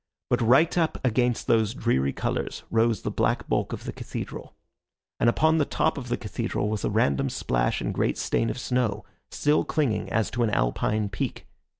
But right up against these dreary colours rose the black bulk of the cathedral; and upon the top of the cathedral was a random splash and great stain of snow, still clinging as to an Alpine peak.